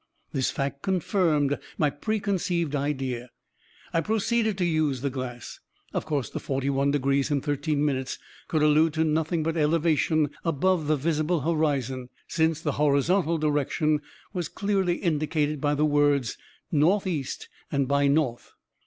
This fact confirmed my preconceived idea. I proceeded to use the glass. Of course, the 'forty one degrees and thirteen minutes' could allude to nothing but elevation above the visible horizon, since the horizontal direction was clearly indicated by the words, 'northeast and by north.'